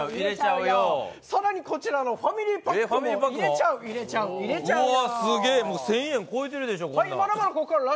更にこちらのファミリーパックも入れちゃう入れちゃう、入れちゃうよ。